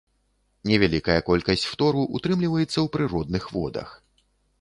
Невялікая колькасць фтору ўтрымліваецца ў прыродных водах.